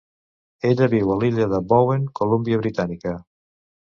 Ella viu a l"Illa de Bowen, Columbia Britànica